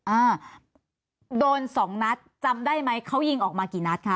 อ่าโดนสองนัดจำได้ไหมเขายิงออกมากี่นัดคะ